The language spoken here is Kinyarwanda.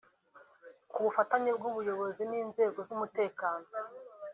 Ku bufatanye bw’ubuyobozi n’inzego z’umutekano